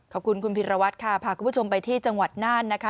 ขอบคุณคุณพิรวัตรค่ะพาคุณผู้ชมไปที่จังหวัดน่านนะคะ